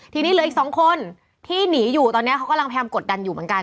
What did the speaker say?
ทีนี้เหลืออีกสองคนที่หนีอยู่ตอนนี้เขากำลังพยายามกดดันอยู่เหมือนกัน